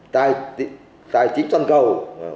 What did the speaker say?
tài chính toàn cầu